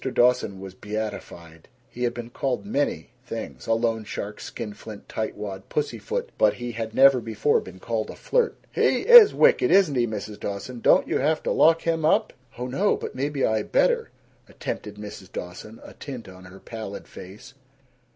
Dawson was beatified. He had been called many things loan shark, skinflint, tightwad, pussyfoot but he had never before been called a flirt. "He is wicked, isn't he, Mrs. Dawson? Don't you have to lock him up?" "Oh no, but maybe I better," attempted Mrs. Dawson, a tint on her pallid face.